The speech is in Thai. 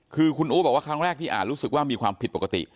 คือคุณอู๋บอกว่าครั้งแรกที่อ่านรู้สึกว่ามีความผิดปกติ